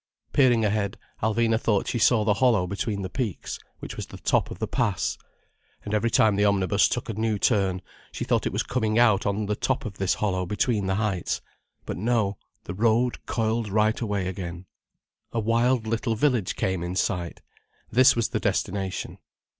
Peering ahead, Alvina thought she saw the hollow between the peaks, which was the top of the pass. And every time the omnibus took a new turn, she thought it was coming out on the top of this hollow between the heights. But no—the road coiled right away again. A wild little village came in sight. This was the destination.